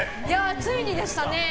ついにでしたね。